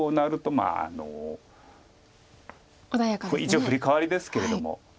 一応フリカワリですけれども。